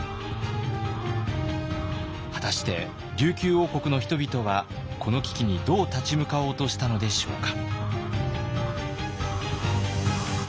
果たして琉球王国の人々はこの危機にどう立ち向かおうとしたのでしょうか。